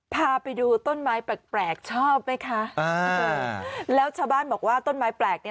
พาไปดูต้นไม้แปลกแปลกชอบไหมคะแล้วชาวบ้านบอกว่าต้นไม้แปลกเนี่ย